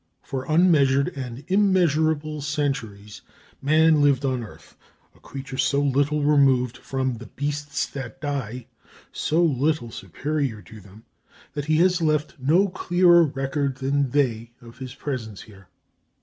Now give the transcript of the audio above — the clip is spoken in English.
For unmeasured and immeasurable centuries man lived on earth a creature so little removed from "the beasts that die," so little superior to them, that he has left no clearer record than they of his presence here.